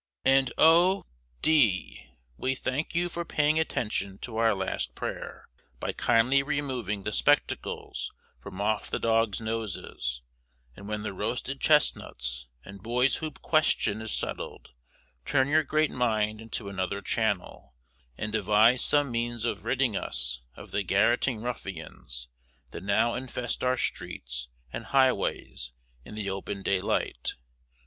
And, oh, D , we thank you for paying attention to our last prayer, by kindly removing the spectacles from off the dog's noses, and when the roasted chesnuts and boys hoop question is settled, turn your great mind into another channel, and devise some means of ridding us of the garrotting ruffians that now infest our streets and highways in the open daylight.